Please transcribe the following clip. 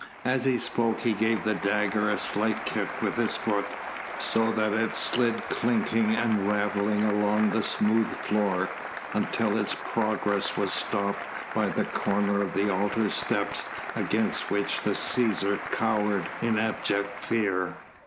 As he spoke he gave the dagger a slight kick with his foot, so that it slid clinking and rattling along the smooth floor, until its progress was stopped by the corner of the altar steps against which the Cæsar cowered in abject fear.